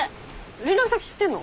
連絡先知ってんの？